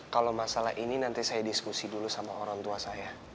kalau masalah ini nanti saya diskusi dulu sama orang tua saya